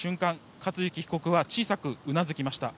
克行被告は小さくうなずきました。